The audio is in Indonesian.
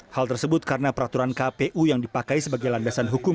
hal tersebut karena peraturan kpu yang dipakai sebagai landasan hukum